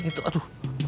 mana si aceh itu